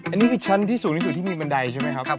อันนี้คือชั้นที่สูงที่มีมันใดใช่ไหมครับ